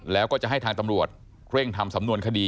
แล้วก็จะให้ทางตำรวจเร่งทำสำนวนคดี